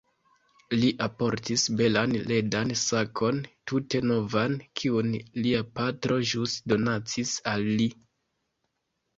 Li portis belan ledan sakon, tute novan, kiun lia patro ĵus donacis al li.